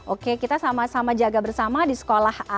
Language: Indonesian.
oke kita sama sama jaga bersama di sekolah